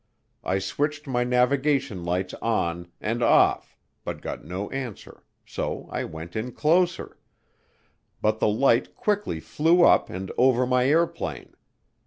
I switched my navigation lights on and off but got no answer so I went in closer but the light quickly flew up and over my airplane.